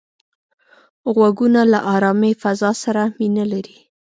غوږونه له آرامې فضا سره مینه لري